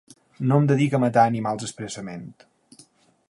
No em dedico a matar animals expressament.